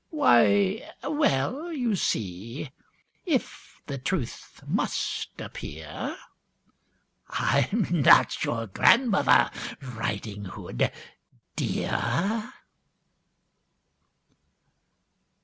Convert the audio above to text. Why, well: you see if the truth must appear I'm not your grandmother, Riding Hood, dear!